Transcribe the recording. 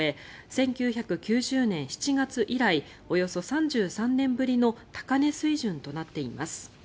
１９９０年７月以来およそ３３年ぶりの高値水準となっています。